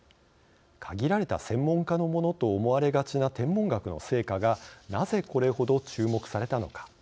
限られた専門家のものと思われがちな天文学の成果がなぜ、これほど注目されたのか。